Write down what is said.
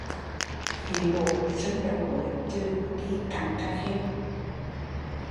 Bị bổ sưng đầu gối, chừ đi cẳng cà khêu